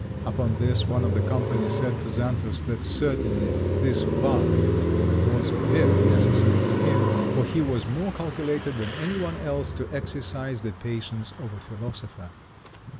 Upon this one of the company said to Xantus, that certainly this varlet was very necessary to him, for he was more calculated than any one else to exercise the patience of a philosopher.